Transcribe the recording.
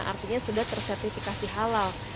artinya sudah tersertifikasi halal